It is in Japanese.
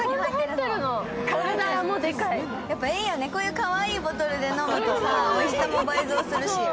いいよね、こういうかわいいボトルで飲むとおいしさも倍増するし。